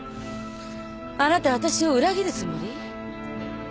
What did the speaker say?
あなたわたしを裏切るつもり？